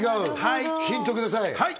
ヒントください。